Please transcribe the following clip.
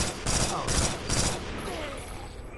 "Chaos i tyle“..."